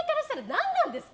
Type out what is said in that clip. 何なんですか？